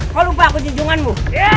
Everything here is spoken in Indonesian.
kau lupa aku di junganmu